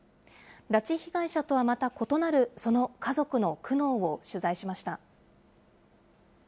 拉致被害者とはまた異なる、その家族の苦悩を取材しました。